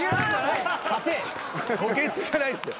補欠じゃないですよ。